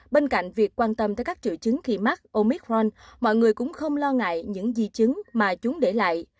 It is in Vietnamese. bên cạnh việc quan tâm tới các triệu chứng khi mắc omic ron mọi người cũng không lo ngại những di chứng mà chúng để lại